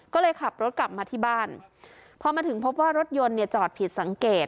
ก็เลยขับรถกลับมาที่บ้านพอมาถึงพบว่ารถยนต์เนี่ยจอดผิดสังเกต